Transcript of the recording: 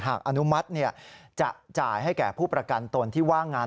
อนุมัติจะจ่ายให้แก่ผู้ประกันตนที่ว่างงาน